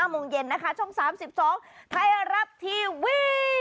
โมงเย็นนะคะช่อง๓๒ไทยรัฐทีวี